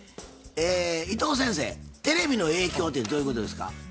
え伊藤先生「テレビの影響」てどういうことですか？